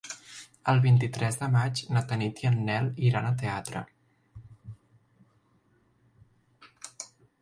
El vint-i-tres de maig na Tanit i en Nel iran al teatre.